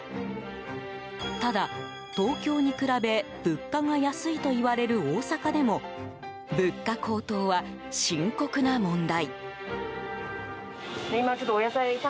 ただ、東京に比べ物価が安いといわれる大阪でも物価高騰は深刻な問題。